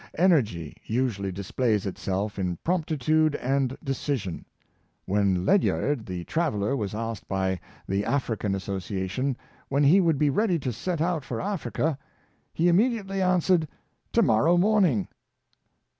Energy usually displays itself in promptitude and de cision. When Ledyard the traveler was asked by the African Association when he would be ready to set out for Africa, he immediately answered, ^' To morrow morning."